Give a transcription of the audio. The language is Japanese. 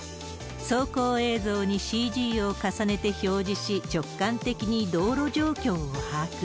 走行映像にＣＧを重ねて表示し、直感的に道路状況を把握。